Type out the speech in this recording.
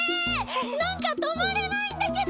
なんかとまらないんだけど！